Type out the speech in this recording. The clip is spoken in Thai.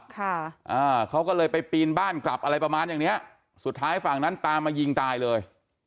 ค่ะอ่าเขาก็เลยไปปีนบ้านกลับอะไรประมาณอย่างเนี้ยสุดท้ายฝั่งนั้นตามมายิงตายเลย